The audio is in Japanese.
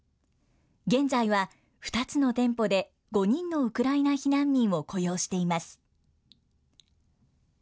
現在は２つの店舗で５人のウクライナ避難民を雇用しています。